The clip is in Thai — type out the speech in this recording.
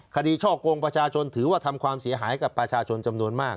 ช่อกงประชาชนถือว่าทำความเสียหายกับประชาชนจำนวนมาก